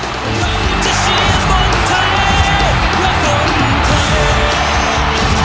เพื่อคนไทย